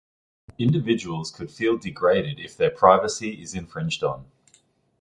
Individuals could feel degraded if their privacy is infringed on.